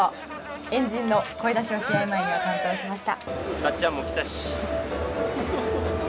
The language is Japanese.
円陣の声出しを試合前には担当しました。